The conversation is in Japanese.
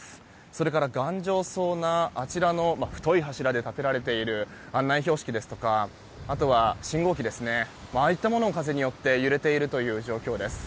それから頑丈そうなあちらの太い柱で建てられている案内標識ですとかあとは信号機ですねああいったものも風によって揺れている状況です。